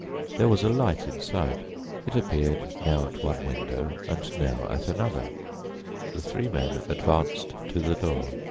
There was a light inside; it appeared now at one window and now at another. The three men advanced to the door.